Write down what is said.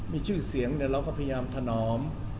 มีชื่อเสียงเราก็พยายามถนอม